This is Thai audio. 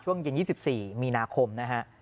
ช่วงเย็น๒๔มีนาคมนะฮะ